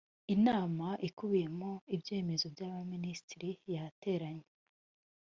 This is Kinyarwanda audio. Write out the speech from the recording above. inama ikubiyemo ibyemezo by’ abaminisitiri yateranye